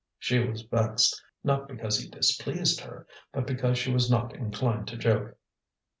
She was vexed, not because he displeased her, but because she was not inclined to joke.